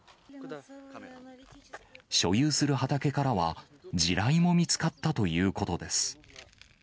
所有する畑からは、地雷も見つかったということです。